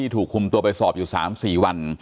ถูกคุมตัวไปสอบอยู่๓๔วัน